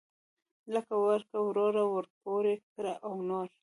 لکه ورکړه وروړه ورپورې کړه او نور.